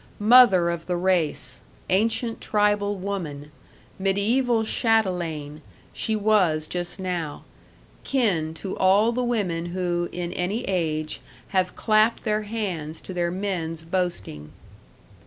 Mother of the race, ancient tribal woman, medieval chatelaine, she was just now; kin to all the women who, in any age, have clapped their hands to their men's boasting.